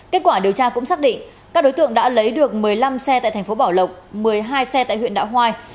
kết quả điều tra cũng xác định các đối tượng đã lấy được một mươi năm xe tại thành phố bảo lộc một mươi hai xe tại huyện đạo hoai